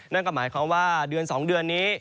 นั่นก็หมายความว่าเดือน๒เดือนนี้